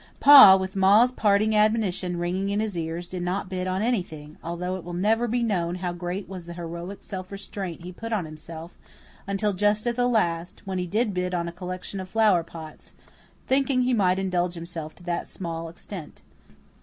Pa, with Ma's parting admonition ringing in his ears, did not bid on anything, although it will never be known how great was the heroic self restraint he put on himself, until just at the last, when he did bid on a collection of flower pots, thinking he might indulge himself to that small extent.